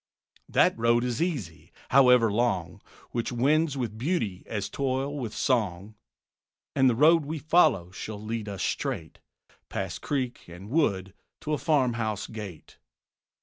That road is easy, however long, Which wends with beauty as toil with song; And the road we follow shall lead us straight Past creek and wood to a farmhouse gate.